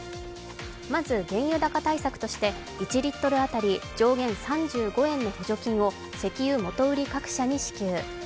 まず、原油高対策として１リットル当たり上限３５円の補助金を石油元売り各社に支給。